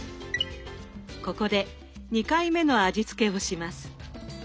ここで２回目の味付けをします。